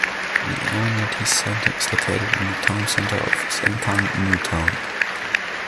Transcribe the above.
The amenity centre is located in the town centre of Sengkang New Town.